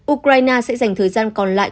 ukraine sẽ dành thời gian còn lại